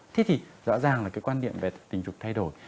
thế thì rõ ràng là cái quan điểm về tình dục thay đổi